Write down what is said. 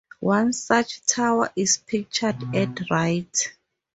One such tower is pictured at right.